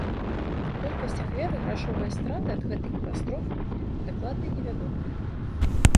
Колькасць ахвяр і грашовыя страты ад гэтай катастрофы дакладна не вядомыя.